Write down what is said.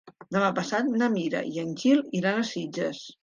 Demà passat na Mira i en Gil iran a Sitges.